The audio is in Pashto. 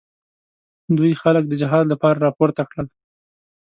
دوی خلک د جهاد لپاره راپورته کړل.